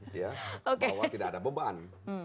bahwa tidak ada beban